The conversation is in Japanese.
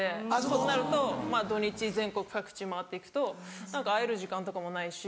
そうなると土・日全国各地回って行くと会える時間とかもないし。